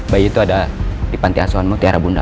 bayi itu ada di pantiasuhan mutiara bunda